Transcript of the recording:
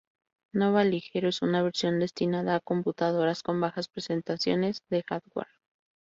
Nova Ligero es una versión destinada a computadoras con bajas prestaciones de hardware.